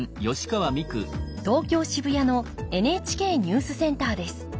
東京・渋谷のＮＨＫニュースセンターです。